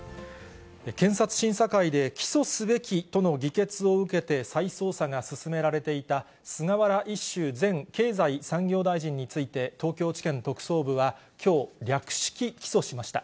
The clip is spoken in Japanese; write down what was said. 検察審査会で起訴すべきとの議決を受けて再捜査が進められていた菅原一秀前経済産業大臣について、東京地検特捜部は、きょう、略式起訴しました。